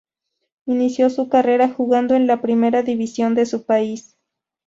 Inició su carrera jugando en la primera división de su país.